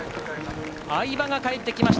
相葉が帰ってきました